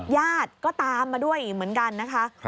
ญาติก็ตามมาด้วยอีกเหมือนกันนะคะ